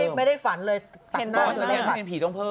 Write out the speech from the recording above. อันนี้ไม่ได้ฝันเลยตัดต่อไม่ได้เป็นผีต้องเพิ่ม